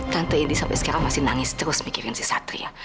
tante ini sampai sekarang masih nangis terus mikirin si satria